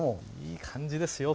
いい感じですよ